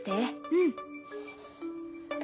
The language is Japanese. うん。